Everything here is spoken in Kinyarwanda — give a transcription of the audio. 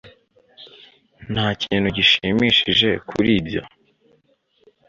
nta kintu gishimishije kuri ibyo